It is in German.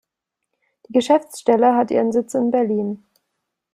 Die Geschäftsstelle hat ihren Sitz in Berlin.